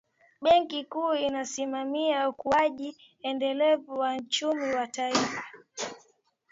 benki kuu inasimamia ukuaji endelevu wa uchumi wa taifa